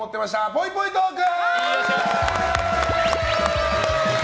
ぽいぽいトーク！